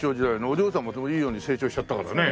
お嬢さんもでもいいように成長しちゃったからね。